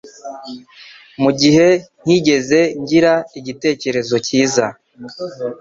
Mugihe ntigeze ngira igitekerezo cyiza